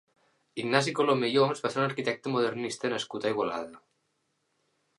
Ignasi Colomer i Oms va ser un arquitecte modernista nascut a Igualada.